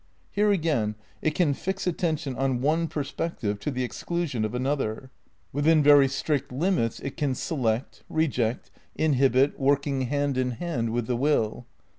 Here again, it can fix attention on one perspec tive to the exclusion of another; within very strict limits, it can select, reject, inhibit, working hand in hand with the will.